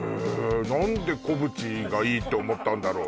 何で古淵がいいって思ったんだろう